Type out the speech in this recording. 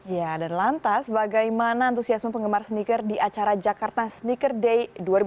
ya dan lantas bagaimana antusiasme penggemar sneaker di acara jakarta sneaker day dua ribu dua puluh